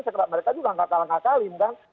segera mereka juga angka angka kalim kan